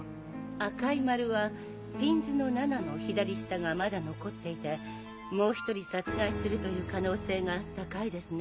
赤い丸はピンズの７の左下がまだ残っていてもう１人殺害するという可能性が高いですね。